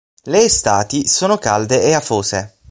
Le estati sono calde e afose.